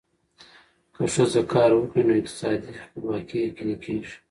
که ښځه کار وکړي، نو اقتصادي خپلواکي یقیني کېږي.